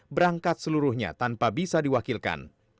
berangkat seluruhnya tanpa bisa diwakilkan